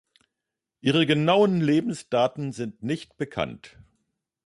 Ihre genauen Lebensdaten sind nicht bekannt.